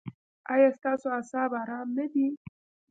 ایا ستاسو اعصاب ارام نه دي؟